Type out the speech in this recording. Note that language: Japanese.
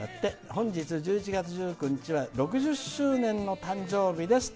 「本日１１月１９日は６０周年の誕生日です」